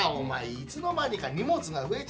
いつの間にか荷物が増える。